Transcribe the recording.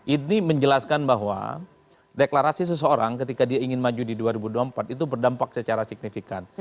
ini menjelaskan bahwa deklarasi seseorang ketika dia ingin maju di dua ribu dua puluh empat itu berdampak secara signifikan